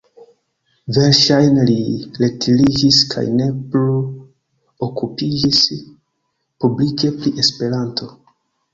Verŝajne li retiriĝis kaj ne plu okupiĝis publike pri Esperanto.